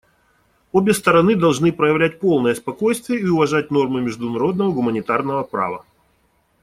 Обе стороны должны проявлять полное спокойствие и уважать нормы международного гуманитарного права.